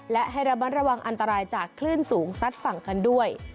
และให้ระมัดระวังอันตรายจากคลื่นสูงซัดฝั่งกันด้วย